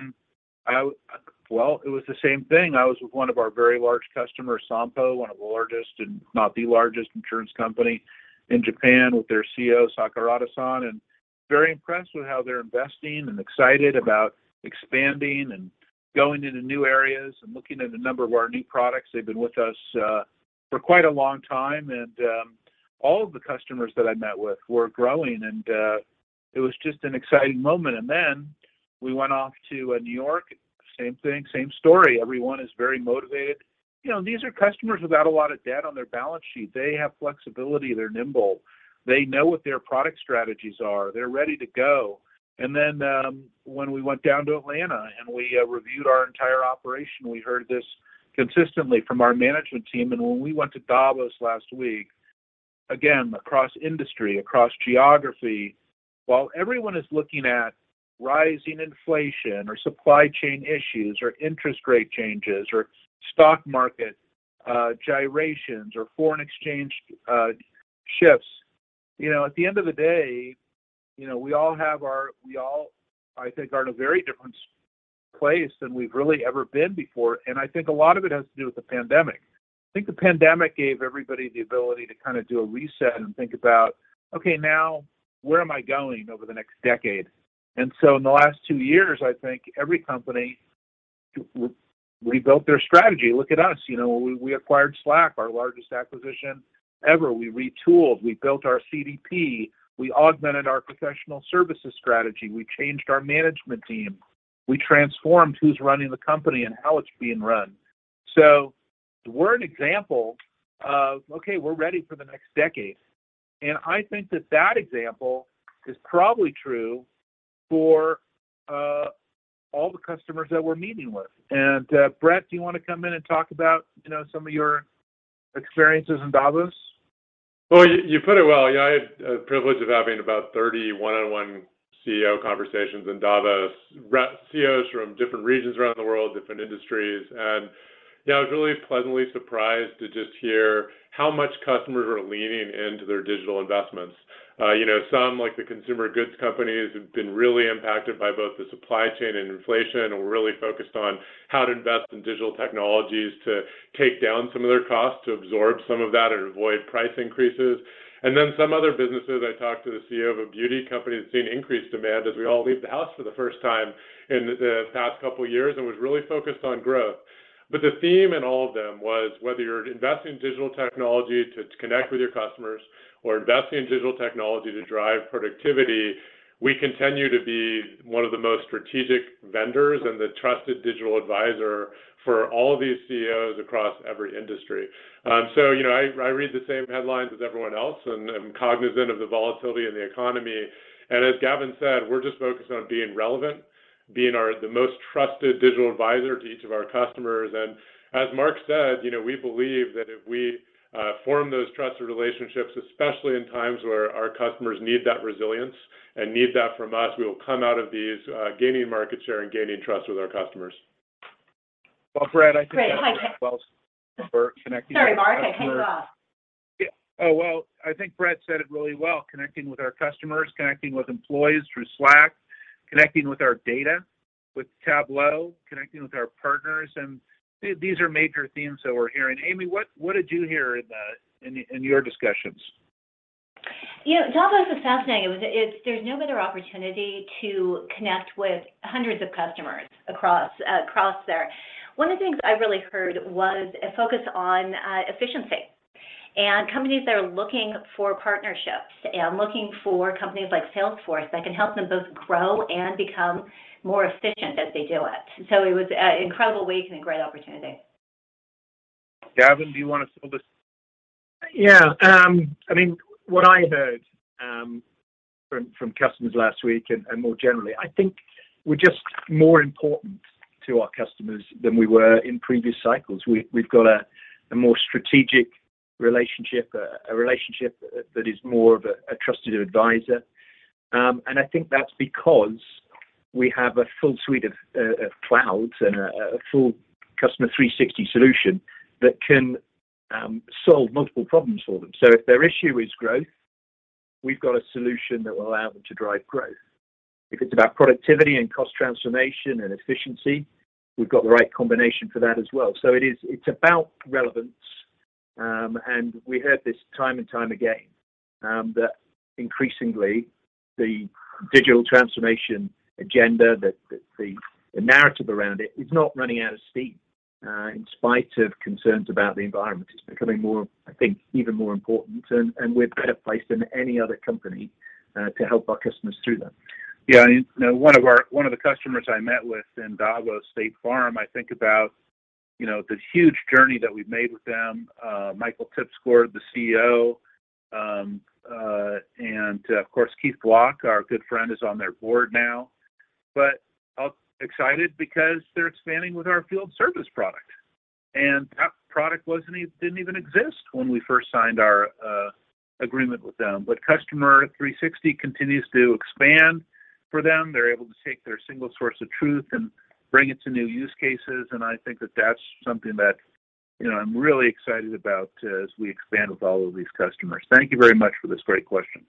well, it was the same thing. I was with one of our very large customers, Sompo, one of the largest, if not the largest insurance company in Japan with their CEO, Sakurada-san, and very impressed with how they're investing and excited about expanding and going into new areas and looking at a number of our new products. They've been with us for quite a long time. All of the customers that I met with were growing, and it was just an exciting moment. Then we went off to New York, same thing, same story. Everyone is very motivated. You know, these are customers without a lot of debt on their balance sheet. They have flexibility. They're nimble. They know what their product strategies are. They're ready to go. When we went down to Atlanta and we reviewed our entire operation, we heard this consistently from our management team. When we went to Davos last week, again, across industry, across geography, while everyone is looking at rising inflation or supply chain issues or interest rate changes or stock market gyrations or foreign exchange shifts, you know, at the end of the day, you know, we all, I think, are in a very different place than we've really ever been before. I think a lot of it has to do with the pandemic. I think the pandemic gave everybody the ability to kind of do a reset and think about, "Okay, now where am I going over the next decade?" In the last two years, I think every company rebuilt their strategy. Look at us, you know, we acquired Slack, our largest acquisition ever. We retooled, we built our CDP, we augmented our professional services strategy, we changed our management team. We transformed who's running the company and how it's being run. We're an example of, okay, we're ready for the next decade. I think that example is probably true for all the customers that we're meeting with. Bret, do you want to come in and talk about, you know, some of your experiences in Davos? Well, you put it well. Yeah, I had the privilege of having about 30 one-on-one CEO conversations in Davos. CEOs from different regions around the world, different industries. Yeah, I was really pleasantly surprised to just hear how much customers are leaning into their digital investments. You know, some, like the consumer goods companies, have been really impacted by both the supply chain and inflation, and were really focused on how to invest in digital technologies to take down some of their costs, to absorb some of that and avoid price increases. Then some other businesses, I talked to the CEO of a beauty company that's seen increased demand as we all leave the house for the first time in the past couple of years, and was really focused on growth. The theme in all of them was whether you're investing in digital technology to connect with your customers or investing in digital technology to drive productivity. We continue to be one of the most strategic vendors and the trusted digital advisor for all of these CEOs across every industry. You know, I read the same headlines as everyone else, and I'm cognizant of the volatility in the economy. As Gavin said, we're just focused on being relevant, being the most trusted digital advisor to each of our customers. As Marc said, you know, we believe that if we form those trusted relationships, especially in times where our customers need that resilience and need that from us, we will come out of these, gaining market share and gaining trust with our customers. Well, Bret, I think that went well for connecting with our customers. Sorry, Mark, I cut you off. Yeah. Oh, well, I think Bret said it really well, connecting with our customers, connecting with employees through Slack, connecting with our data with Tableau, connecting with our partners, and these are major themes that we're hearing. Amy, what did you hear in your discussions? You know, Davos was fascinating. It's There's no better opportunity to connect with hundreds of customers across there. One of the things I really heard was a focus on efficiency and companies that are looking for partnerships and looking for companies like Salesforce that can help them both grow and become more efficient as they do it. It was a incredible week and a great opportunity. Gavin, do you wanna fill this? Yeah. I mean, what I heard from customers last week and more generally, I think we're just more important to our customers than we were in previous cycles. We've got a more strategic relationship, a relationship that is more of a trusted advisor. I think that's because we have a full suite of clouds and a full Customer 360 solution that can solve multiple problems for them. If their issue is growth, we've got a solution that will allow them to drive growth. If it's about productivity and cost transformation and efficiency, we've got the right combination for that as well. It is about relevance. We heard this time and time again that increasingly the digital transformation agenda, that the narrative around it is not running out of steam in spite of concerns about the environment. It's becoming more, I think, even more important, and we're better placed than any other company to help our customers through that. Yeah. You know, one of the customers I met with in Davos, State Farm, I think about, you know, the huge journey that we've made with them. Michael Tipsord, the CEO, and of course, Keith Block, our good friend, is on their board now. Excited because they're expanding with our field service product. That product didn't even exist when we first signed our agreement with them. Customer 360 continues to expand for them. They're able to take their single source of truth and bring it to new use cases. I think that that's something that, you know, I'm really excited about as we expand with all of these customers. Thank you very much for this great question.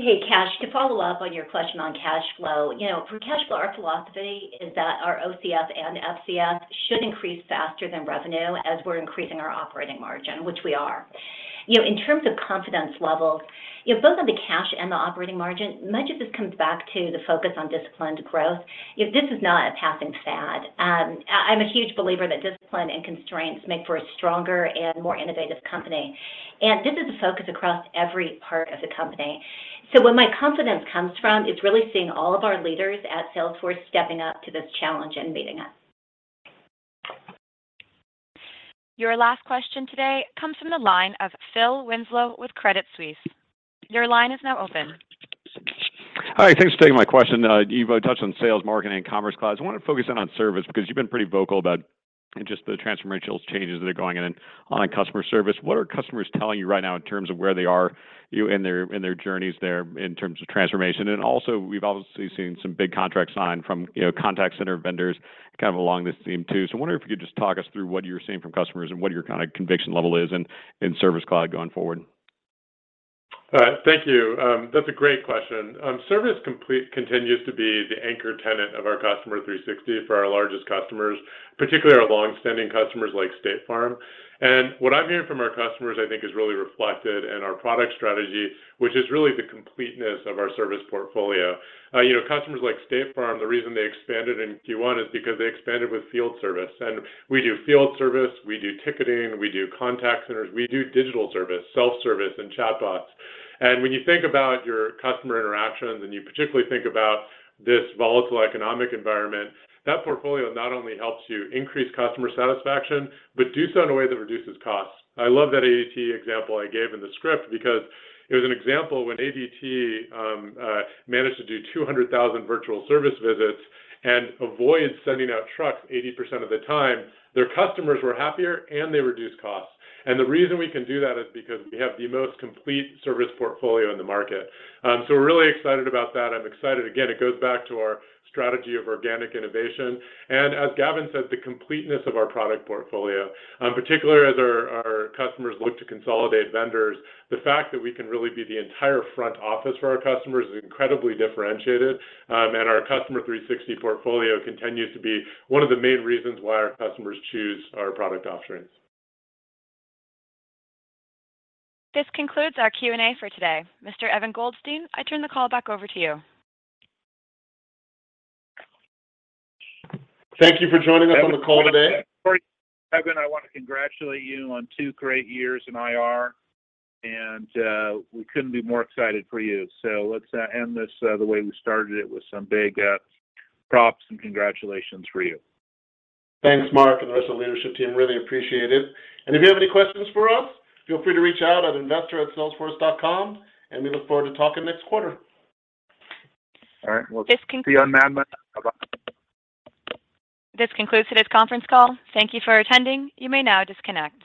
Hey, Kash, to follow up on your question on cash flow. You know, for cash flow, our philosophy is that our OCF and FCF should increase faster than revenue as we're increasing our operating margin, which we are. You know, in terms of confidence levels, you know, both on the cash and the operating margin, much of this comes back to the focus on disciplined growth. You know, this is not a passing fad. I'm a huge believer that discipline and constraints make for a stronger and more innovative company. This is a focus across every part of the company. Where my confidence comes from is really seeing all of our leaders at Salesforce stepping up to this challenge and meeting us. Your last question today comes from the line of Phil Winslow with Credit Suisse. Your line is now open. Hi, thanks for taking my question. You've touched on Sales Cloud, Marketing Cloud, and Commerce Cloud. I wanna focus in on Service Cloud because you've been pretty vocal about just the transformational changes that are going on in on customer service. What are customers telling you right now in terms of where they are, you know, in their, in their journeys there in terms of transformation? Also, we've obviously seen some big contracts signed from, you know, contact center vendors kind of along this theme too. I wonder if you could just talk us through what you're seeing from customers and what your kinda conviction level is in Service Cloud going forward. All right. Thank you. That's a great question. Service Cloud continues to be the anchor tenant of our Customer 360 for our largest customers, particularly our long-standing customers like State Farm. What I'm hearing from our customers, I think, is really reflected in our product strategy, which is really the completeness of our service portfolio. You know, customers like State Farm, the reason they expanded in Q1 is because they expanded with field service. We do field service, we do ticketing, we do contact centers, we do digital service, self-service, and chatbots. When you think about your customer interactions, and you particularly think about this volatile economic environment, that portfolio not only helps you increase customer satisfaction but do so in a way that reduces costs. I love that ADT example I gave in the script because it was an example when ADT managed to do 200,000 virtual service visits and avoided sending out trucks 80% of the time. Their customers were happier, and they reduced costs. The reason we can do that is because we have the most complete service portfolio in the market. We're really excited about that. I'm excited. Again, it goes back to our strategy of organic innovation and, as Gavin said, the completeness of our product portfolio. Particularly as our customers look to consolidate vendors, the fact that we can really be the entire front office for our customers is incredibly differentiated. Our Customer 360 portfolio continues to be one of the main reasons why our customers choose our product offerings. This concludes our Q&A for today. Mr. Evan Goldstein, I turn the call back over to you. Thank you for joining us on the call today. Evan, I wanna congratulate you on two great years in IR, and we couldn't be more excited for you. Let's end this the way we started it with some big props and congratulations for you. Thanks, Mark, and the rest of the leadership team. Really appreciate it. If you have any questions for us, feel free to reach out at investor@salesforce.com, and we look forward to talking next quarter. All right. This con- See you on. Bye-bye. This concludes today's conference call. Thank you for attending. You may now disconnect.